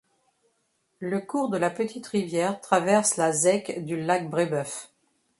Le cours de La Petite Rivière traverse la zec du Lac-Brébeuf.